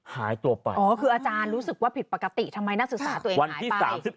หายตัวไปอ๋อคืออาจารย์รู้สึกว่าผิดปกติ